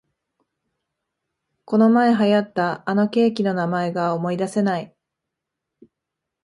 このまえ流行ったあのケーキの名前が思いだせない